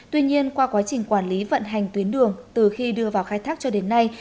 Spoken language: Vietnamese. tuy nhiên qua quá trình quản lý vận hành tuyến đường từ khi đưa vào khai thác cho đến nay